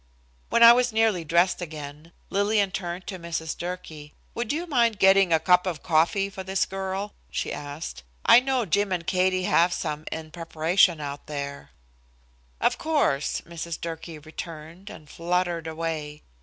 When I was nearly dressed again, Lillian turned to Mrs. Durkee: "Would you mind getting a cup of coffee for this girl?" she asked. "I know Jim and Katie have some in preparation out there." "Of course," Mrs. Durkee returned, and fluttered away.